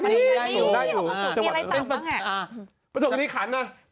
นี่ของประสูปนี้อะไรต่ำต้องอย่างแหง